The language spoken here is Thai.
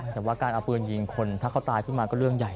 แต่ว่าการเอาปืนยิงคนถ้าเขาตายขึ้นมาก็เรื่องใหญ่